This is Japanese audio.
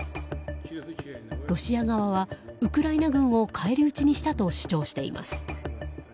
ロシア側はウクライナ軍を返り討ちにしたと主張しています。